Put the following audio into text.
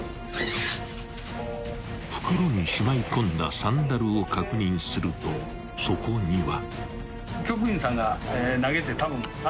［袋にしまい込んだサンダルを確認するとそこには］